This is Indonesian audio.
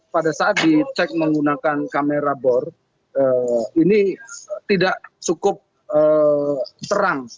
pada saat dicek menggunakan kamera bor ini tidak cukup terang